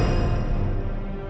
anak ini makin gak tau diri